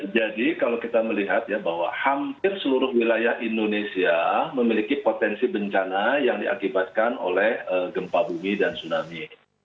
jadi kalau kita melihat bahwa hampir seluruh wilayah indonesia memiliki potensi bencana yang diakibatkan oleh gempa bumi dan tsunami